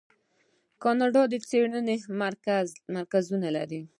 کاناډا د څیړنې مرکزونه لري.